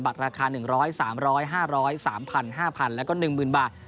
บัตรราคา๑๐๐บาท๓๐๐บาท๕๐๐บาท๓๐๐๐บาท๕๐๐๐บาทแล้วก็๑๐๐๐๐บาท